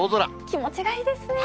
気持ちがいいですね。